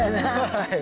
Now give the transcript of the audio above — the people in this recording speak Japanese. はい。